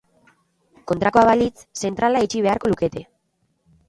Kontrakoa balitz, zentrala itxi beharko lukete.